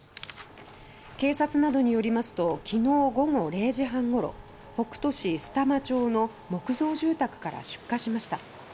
警察などによりますと昨日午後０時半ごろ北杜市須玉町の木造住宅から出火しました。